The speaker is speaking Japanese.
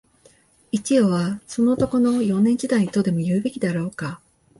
一葉は、その男の、幼年時代、とでも言うべきであろうか